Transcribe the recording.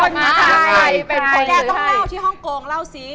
แกต้องเล่าที่ฮ่องโกงเล่าสิ